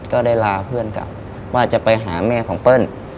ก็ได้ลาเพื่อนกลับว่าจะไปหาแม่ของเปิ้ล